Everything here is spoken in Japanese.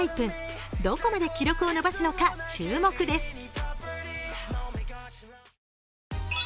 どこまで記録を伸ばすのか注目です。